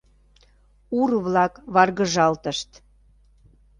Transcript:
Ур-влак варгыжалтышт.